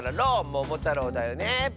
「ももたろう」だよね。